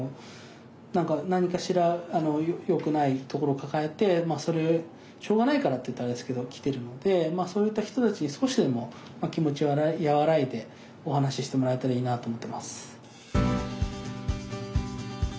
何かしら良くないところを抱えてそれでしょうがないからって言ったらあれですけど来てるのでそういった人たちに少しでも気持ちは和らいでお話ししてもらえたらいいなと思ってます。